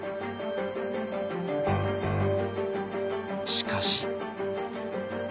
しかし。